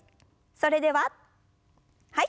それでははい。